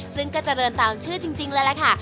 ซึ่งก็เจริญตามชื่อจริงเลยล่ะค่ะ